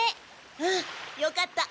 うんよかった。